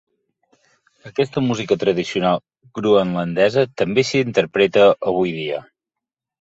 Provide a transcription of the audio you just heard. Aquesta música tradicional groenlandesa també s'interpreta avui dia.